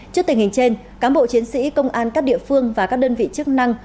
trước tình hình trên cán bộ chiến sĩ công an các địa phương và các đơn vị chức năng